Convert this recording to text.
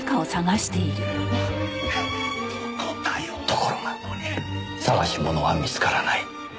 ところが捜し物は見つからない。